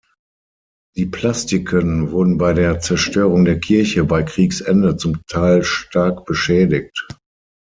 Die Plastiken wurden bei der Zerstörung der Kirche bei Kriegsende zum Teil stark beschädigt.